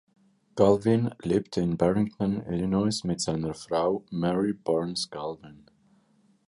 Galvin lebte in Barrington, Illinois mit seiner Frau Mary Barnes Galvin.